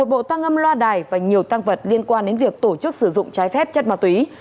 một bộ tăng âm loa đài và nhiều tăng vật liên quan đến việc tổ chức sử dụng trái phép chất ma túy